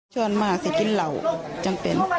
ชวนมาเสียกินเหล่าจังเป็น